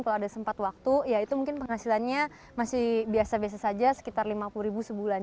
kalau ada sempat waktu ya itu mungkin penghasilannya masih biasa biasa saja sekitar lima puluh ribu sebulan